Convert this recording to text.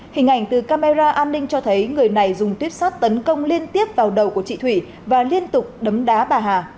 hình ảnh từ camera an ninh cho thấy người này dùng tuyết sát tấn công liên tiếp vào đầu của chị thủy và liên tục đấm đá bà hà